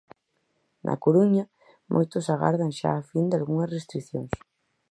Na Coruña, moitos agardan xa a fin dalgunhas restricións.